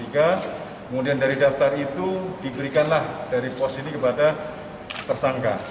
kemudian dari daftar itu diberikanlah dari posisi kepada tersangka